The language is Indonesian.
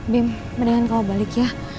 bim mendingan kalau balik ya